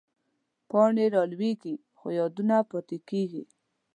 پاڼې رالوېږي، خو یادونه پاتې کېږي